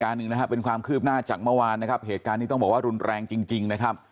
ประดอบอีกอาการหนึ่งเป็นความคืบหน้าจากเมื่อวานเหตุการณ์นี้ต้องต้องบอกว่ารุนแรงจริงนะครับ